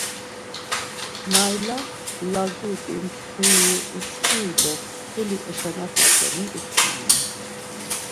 Nayla lazut̆i, ntxiri, uşkuri do mtsxuli eşanaxu şeni ixmanan.